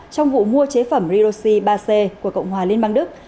trong vụ mua chế phẩm ridosi ba c của cộng hòa liên bang đức